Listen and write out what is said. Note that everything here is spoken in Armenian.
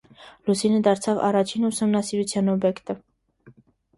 Լուսինը դարձավ առաջին ուսումնասիրության օբյեկտը։